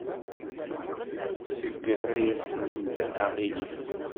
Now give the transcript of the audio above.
Tessegra-yasent-d aɣilif.